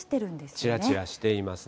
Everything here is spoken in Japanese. ちらちらしていますね。